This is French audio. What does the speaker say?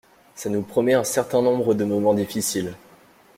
Ҫa nous promet un certain nombre de moments difficiles.